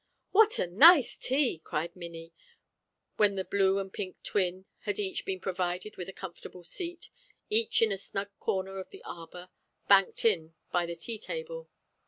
"What a nice tea!" cried Minnie, when the blue and the pink twin had each been provided with a comfortable seat, each in a snug corner of the arbour, banked in by the tea table.